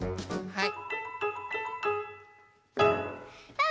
はい。